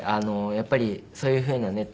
やっぱりそういうふうなね